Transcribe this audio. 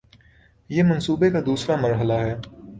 یہ منصوبے کا دوسرا مرحلہ ہے